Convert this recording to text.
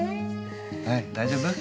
はい大丈夫？